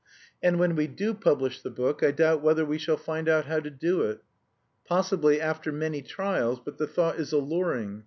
And when we do publish the book I doubt whether we shall find out how to do it. Possibly after many trials; but the thought is alluring.